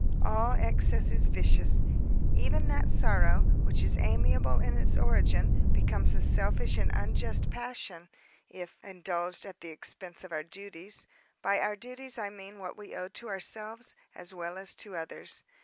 All excess is vicious; even that sorrow, which is amiable in its origin, becomes a selfish and unjust passion, if indulged at the expence of our duties—by our duties I mean what we owe to ourselves, as well as to others.